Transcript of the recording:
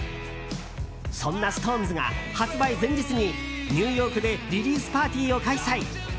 そんなストーンズが発売前日に、ニューヨークでリリース・パーティーを開催。